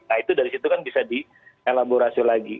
nah itu dari situ kan bisa dielaborasi lagi